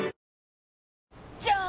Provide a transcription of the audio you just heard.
じゃーん！